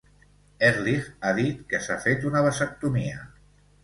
Ehrlich ha dit que s'ha fet una vasectomia.